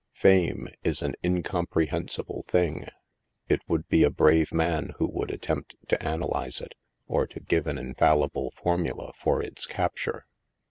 Fame is an incomprehensible thing ! It would be a brave man who would attempt to analyze it, or to give an infallible formula for its capture.